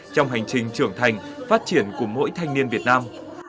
trong hành trình trưởng thành phát triển của mỗi thanh niên việt nam